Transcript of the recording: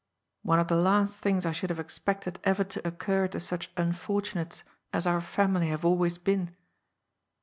One of the last things I should have expected ever to occur to such unfortunates as our family have always been.